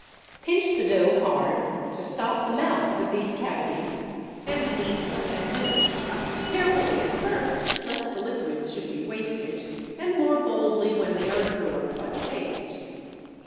Pinch the dough hard to stop the mouths of these cavities, and knead for ten minutes, carefully at first, lest the liquids should be wasted, and more boldly when they are absorbed by the paste.